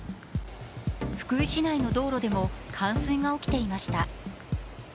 福井市内の道路でも冠水が起きていました。